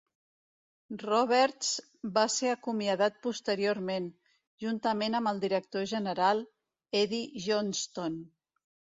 Roberts va ser acomiadat posteriorment, juntament amb el director general, Eddie Johnston.